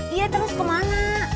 iya terus kemana